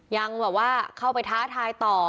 ยังแบบว่าเข้าไปท้าทายต่อ